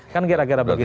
kan kira kira begitu